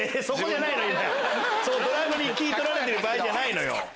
そこじゃないのよ。